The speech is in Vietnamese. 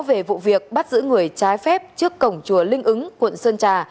về vụ việc bắt giữ người trái phép trước cổng chùa linh ứng quận sơn trà